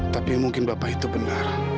tapi mungkin bapak itu benar